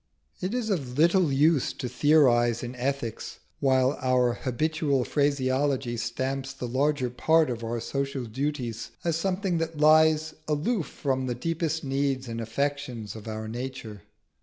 It is of little use to theorise in ethics while our habitual phraseology stamps the larger part of our social duties as something that lies aloof from the deepest needs and affections of our nature.